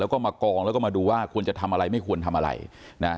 แล้วก็มากองแล้วก็มาดูว่าควรจะทำอะไรไม่ควรทำอะไรนะ